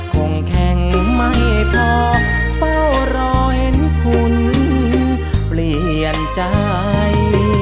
คงแข่งไม่พอเฝ้ารอเห็นคุณเปลี่ยนใจ